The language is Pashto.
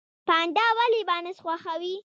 پاندا ولې بانس خوښوي؟